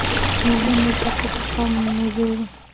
مېرمن نېکبخته په قوم مموزۍ وه.